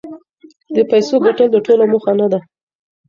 د پیسو ګټل د ټولو موخه نه ده.